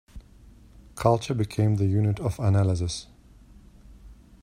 Culture became the unit of analysis.